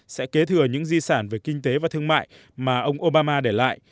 sẽ kế thừa những di sản về kinh tế và thương mại mà ông obama để lại